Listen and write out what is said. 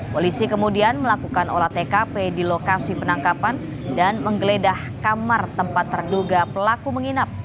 polisi kemudian melakukan olah tkp di lokasi penangkapan dan menggeledah kamar tempat terduga pelaku menginap